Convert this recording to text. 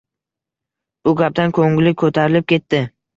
Bu gapdan koʻngli koʻtarilib ketdi.